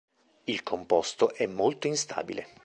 Il composto è molto instabile.